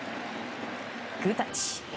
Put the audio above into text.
グータッチ！